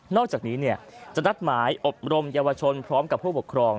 อกจากนี้จะนัดหมายอบรมเยาวชนพร้อมกับผู้ปกครอง